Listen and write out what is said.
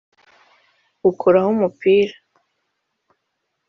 bakuraho umupira